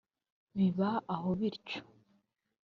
Biba aho bityo